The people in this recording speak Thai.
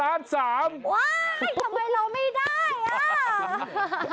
ว้ายทำไมเราไม่ได้น่ะ